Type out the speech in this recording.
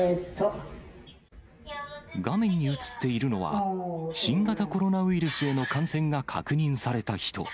画面に映っているのは、新型コロナウイルスへの感染が確認された人。